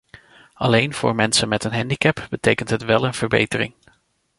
Alleen voor mensen met een handicap betekent het wel een verbetering.